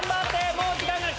もう時間ない！